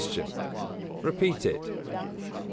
Repeat it? A.